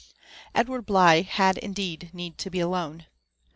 Edward Bligh had indeed need to be alone.